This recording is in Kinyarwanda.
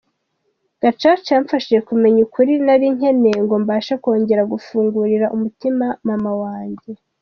Gacaca yamfashije kumenya ukuri nari nkeneye ngo mbashe kongera gufungurira umutima mama wanjye.